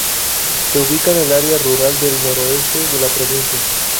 Se ubica en un área rural del noroeste de la provincia.